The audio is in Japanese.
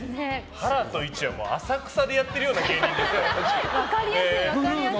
ハラとイチって浅草でやってるような芸人ですよ。